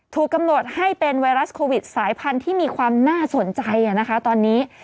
ถูกกำหนดให้เป็นไวรัสโควิดสายพันธุ์ที่มีความน่าสนใจนะคะตอนนี้